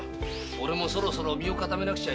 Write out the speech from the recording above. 俺もそろそろ身を固めなくちゃいけねえ。